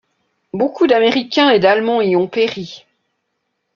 Beaucoup d'Américains et d'Allemands y ont péri.